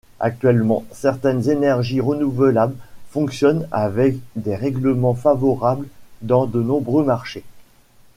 Actuellement certaines énergies renouvelables fonctionnent avec des règlements favorables dans de nombreux marchés.